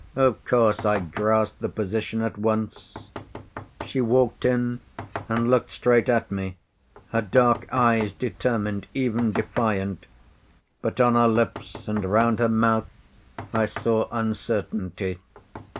Of course I grasped the position at once. She walked in and looked straight at me, her dark eyes determined, even defiant, but on her lips and round her mouth I saw uncertainty.